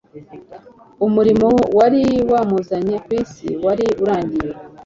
umurimo wari wamuzanye ku isi wari urangiye.